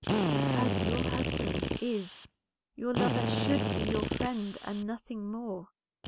"Because your husband is, your lover should be your friend and nothing more.